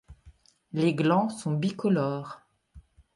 Les glands sont bicolores.